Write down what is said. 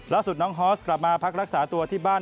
ล่าสุดน้องฮอสกลับมาพักรักษาตัวที่บ้าน